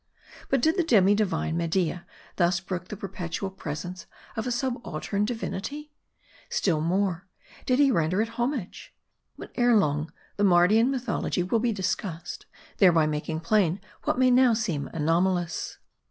But did the demi divine Media thus brook the perpetual presence of a subaltern divinity ? Still more ; did he render it homag e ? But ere long the Mardian mythology will be discussed, thereby making plain what may now seem anom alous.